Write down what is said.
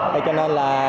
thì cho nên là